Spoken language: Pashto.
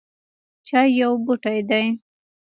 چای یو بوټی دی